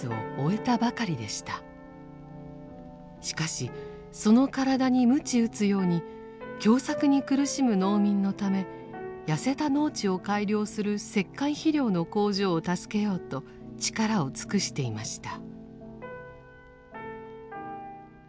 しかしその体にむち打つように凶作に苦しむ農民のためやせた農地を改良する石灰肥料の工場を助けようと力を尽くしていました。